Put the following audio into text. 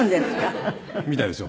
みたいですよ